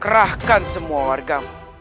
kerahkan semua warga